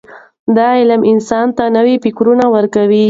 دا علم انسان ته نوي فکرونه ورکوي.